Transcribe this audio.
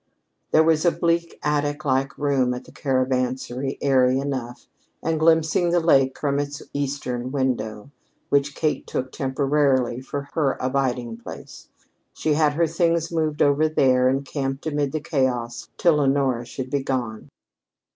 There was a bleak, attic like room at the Caravansary, airy enough, and glimpsing the lake from its eastern window, which Kate took temporarily for her abiding place. She had her things moved over there and camped amid the chaos till Honora should be gone.